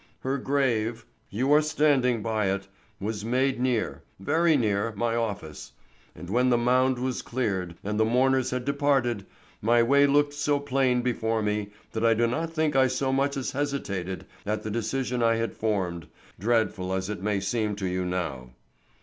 Her grave—you are standing by it—was made near, very near my office, and when the mound was cleared and the mourners had departed, my way looked so plain before me that I do not think I so much as hesitated at the decision I had formed, dreadful as it may seem to you now.